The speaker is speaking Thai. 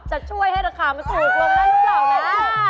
จะช่วยให้ราคามาสูงลงด้านเก่านะ